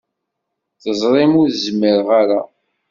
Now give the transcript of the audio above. Teẓrim ur zmireɣ ara.